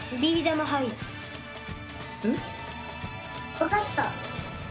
わかった。